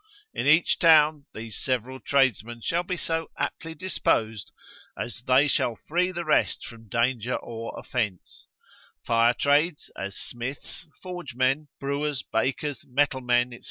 In each town these several tradesmen shall be so aptly disposed, as they shall free the rest from danger or offence: fire trades, as smiths, forge men, brewers, bakers, metal men, &c.